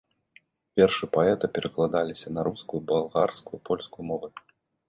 Вершы паэта перакладаліся на рускую, балгарскую, польскую мовы.